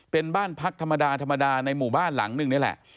เป็นบ้านพักธรรมดาธรรมดาในหมู่บ้านหลังนึงนี่แหละ